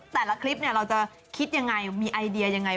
แต่ละคลิปเราจะคิดยังไงมีไอเดียยังไง